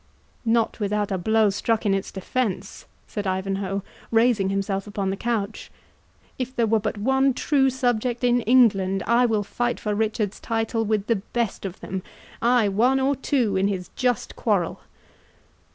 "Not without a blow struck in its defence," said Ivanhoe, raising himself upon the couch, "if there were but one true subject in England I will fight for Richard's title with the best of them—ay, one or two, in his just quarrel!"